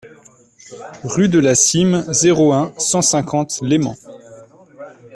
Rue de la Cîme, zéro un, cent cinquante Leyment